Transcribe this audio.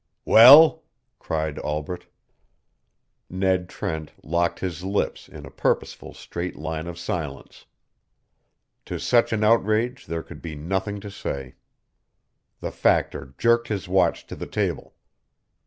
"Well!" cried Albret. Ned Trent locked his lips in a purposeful straight line of silence. To such an outrage there could be nothing to say. The Factor jerked his watch to the table.